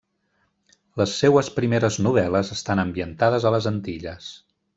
Les seues primeres novel·les estan ambientades a les Antilles.